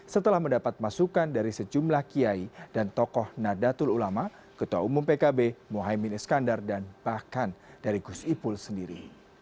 setelah mendapat masukan dari sejumlah kiai dan tokoh nadatul ulama ketua umum pkb mohaimin iskandar dan bahkan dari gus ipul sendiri